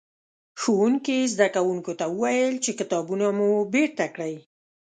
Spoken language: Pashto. ښوونکي؛ زدکوونکو ته وويل چې کتابونه مو بېرته کړئ.